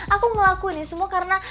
aku ngelakuin semua karena